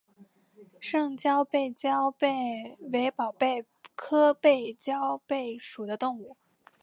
胜枝背焦贝为宝贝科背焦贝属的动物。